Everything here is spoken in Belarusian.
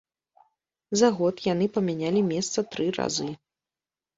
За год яны памянялі месца тры разы.